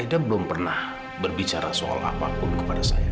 kita belum pernah berbicara soal apapun kepada saya